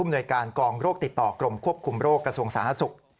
หน่วยการกองโรคติดต่อกรมควบคุมโรคกระทรวงสาธารณสุข